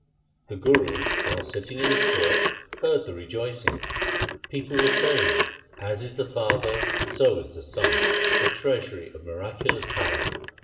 The Guru while sitting in his court heard the rejoicings. People were saying, ' As is the father, so is the son, a treasury of miraculous power.'